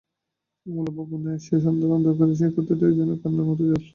অমূল্যবাবু নেই– সেই সন্ধ্যার অন্ধকারে এ কথাটা যেন কান্নার মতো বাজল।